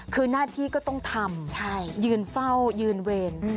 คือหน้าที่ก็ต้องทำยืนเฝ้ายืนเวร